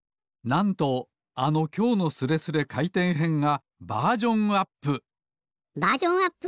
なんとあの「きょうのスレスレかいてんへん」がバージョンアップバージョンアップ！？